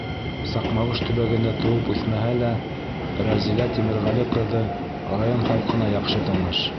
Саҡмағош төбәгендә тыуып үҫмәһә лә, Рәзилә Тимерғәле ҡыҙы район халҡына яҡшы таныш.